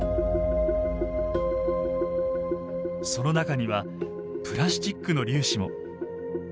その中にはプラスチックの粒子も。